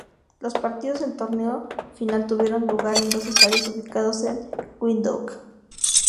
Los partidos del torneo final tuvieron lugar en dos estadios ubicados en Windhoek.